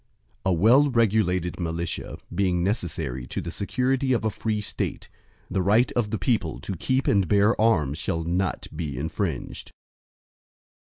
II A well regulated militia, being necessary to the security of a free State, the right of the people to keep and bear arms, shall not be infringed.